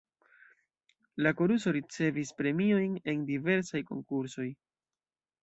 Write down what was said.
La koruso ricevis premiojn en diversaj konkursoj.